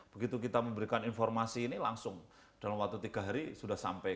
begitu kita memberikan informasi ini langsung dalam waktu tiga hari sudah sampai